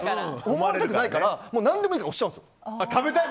思われたくないから何でもいいから押しちゃうんです。